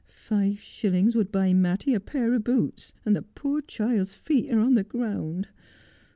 ' Five shillings would buy Mattie a pair of boots, and the poor child's feet are on the ground.